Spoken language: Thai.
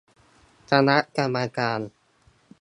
คณะกรรมการ